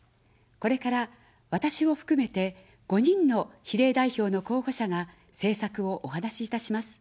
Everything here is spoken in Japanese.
これから、私を含めて５人の比例代表の候補者が政策をお話いたします。